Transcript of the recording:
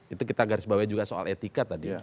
itu kita garis bawah juga soal etika tadi